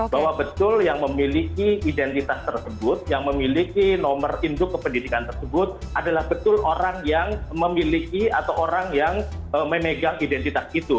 bahwa betul yang memiliki identitas tersebut yang memiliki nomor induk kependidikan tersebut adalah betul orang yang memiliki atau orang yang memegang identitas itu